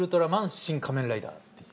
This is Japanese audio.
「シン・仮面ライダー」っていう。